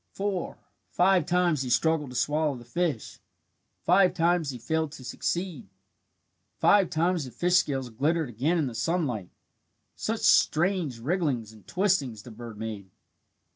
Four five times he struggled to swallow the fish. Five times he failed to succeed. Five times the fish scales glittered again in the sunlight. Such strange wrigglings and twistings the bird made.